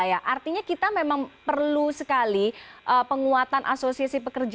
artinya kita memang perlu sekali penguatan asosiasi pekerja